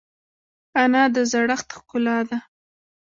انا د زړښت ښکلا ده